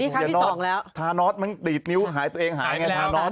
ทานอธมิตรมันก้นตีดนิ้วหายตัวเองเยอะ